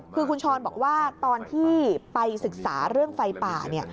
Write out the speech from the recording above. คือคุณช้อนบอกว่าตอนที่ไปศึกษาเรื่องไฟป่าเนี่ย